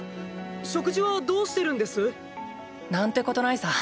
食事はどうしてるんです？なんてことないさ。